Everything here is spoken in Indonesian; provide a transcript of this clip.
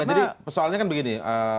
jadi soalnya kan begini